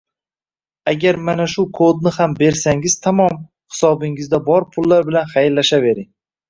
Agar mana shu kodni ham bersangiz tamom, hisobingizda bor pullar bilan xayrlashavering.